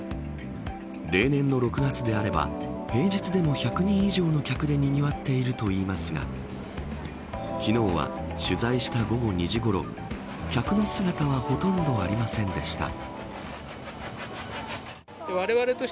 例年の６月であれば平日でも１００人以上の客でにぎわっているといいますが昨日は取材した午後２時ごろ客の姿はほとんどありませんでした。